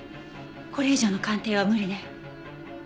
これ以上の鑑定は無理ね。